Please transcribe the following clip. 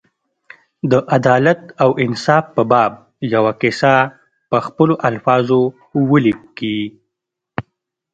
د عدالت او انصاف په باب یوه کیسه په خپلو الفاظو ولیکي.